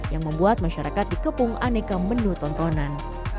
yang membuat masyarakat dikepung aneka menu tontonan